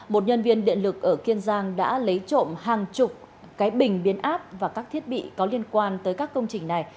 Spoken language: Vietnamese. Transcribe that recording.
một nhân viên điện lực ở kiên giang đã lấy trộm hàng chục cái bình biến áp và các thiết bị có liên quan tới các công trình này